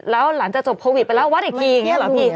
แล้วหลังจากจบโควิดไปแล้ววัดอีกทีอย่างนี้เหรอพี่